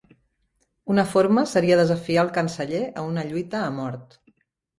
Una forma seria desafiar al canceller a una lluita a mort.